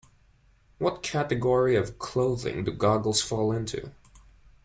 What category of clothing do goggles fall into?